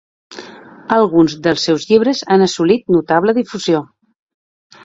Alguns dels seus llibres han assolit notable difusió.